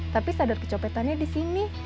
tapi sadar kecopetannya di sini